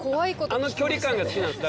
あの距離感が好きなんです。